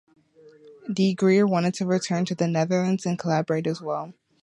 De Geer wanted to return to the Netherlands and collaborate as well.